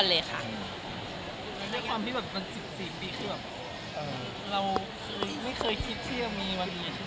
แล้วคือไม่เคยคิดว่ามีชีวฮีสินตาม